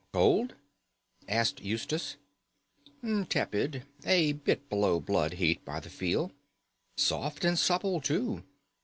"Cold?" asked Eustace. "Tepid. A bit below blood heat by the feel. Soft and supple too.